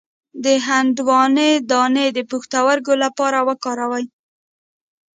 د هندواڼې دانه د پښتورګو لپاره وکاروئ